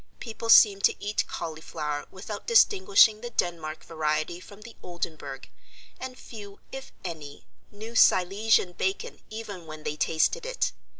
People seemed to eat cauliflower without distinguishing the Denmark variety from the Oldenburg, and few, if any, knew Silesian bacon even when they tasted it.